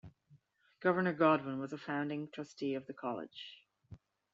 Governor Godwin was a founding Trustee of the College.